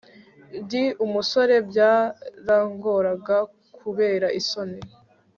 ndi umusore byarangoranga kubera isoni